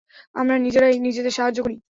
আমরা নিজেরাই নিজেদের সাহায্য করি।